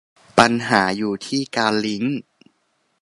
ปัญหาอยู่ที่การลิงก์